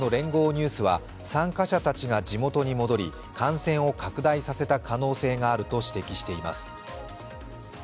ニュースは参加者たちが地元に戻り、感染を拡大させた可能性があると指摘しています。